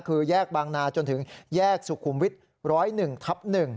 คือแยกบางนาจนถึงแยกสุขุมวิทย์๑๐๑ทับ๑